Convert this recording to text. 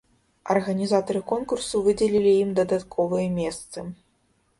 Арганізатары конкурсу выдзелілі ім дадатковыя месцы.